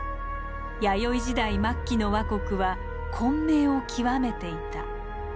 弥生時代末期の倭国は混迷を極めていた。